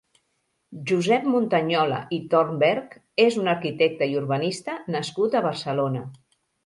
Josep Muntañola i Thornberg és un arquitecte i urbanista nascut a Barcelona.